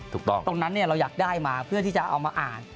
ตรงนั้นเราอยากได้มาเพื่อที่จะเอามาอ่าน